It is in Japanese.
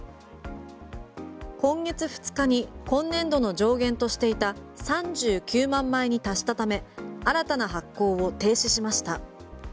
今月２日に今年度の上限としていた３９万枚に達したため新たな発行を停止しました。